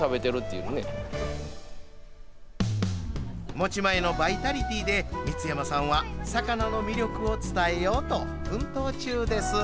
持ち前のバイタリティーで光山さんは魚の魅力を伝えようと奮闘中です。